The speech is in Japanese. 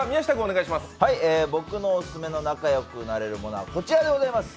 僕のオススメの仲良くなれるものはこちらでございます。